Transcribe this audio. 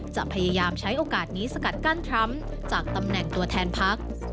จะพยายามใช้โอกาสนี้สกัดกั้นทรัมป์จากตำแหน่งตัวแทนพัก